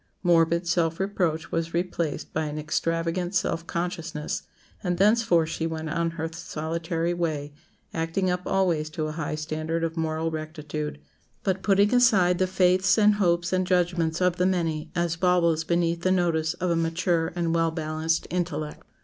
Morbid self reproach was replaced by an extravagant self consciousness, and thenceforth she went on her solitary way, acting up always to a high standard of moral rectitude, but putting aside the faiths and hopes and judgments of the many as baubles beneath the notice of a mature and well balanced intellect.